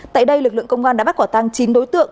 tại đây lực lượng công an đã bắt quả tăng chín đối tượng